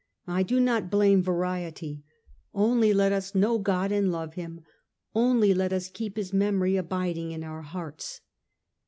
I do not blame variety. Only let us know God and love Him; only let us keep His memory abiding in our hearts.